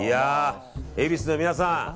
恵比寿の皆さん